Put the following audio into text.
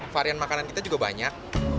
varian makanan kita juga banyak